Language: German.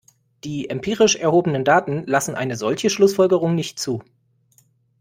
Die empirisch erhobenen Daten lassen eine solche Schlussfolgerung nicht zu.